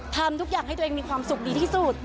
ทำทุกอย่างให้ตัวเองมีความสุขดีที่สุด